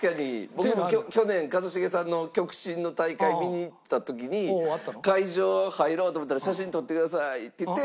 僕も去年一茂さんの極真の大会見に行った時に会場入ろうと思ったら「写真撮ってください」って言って。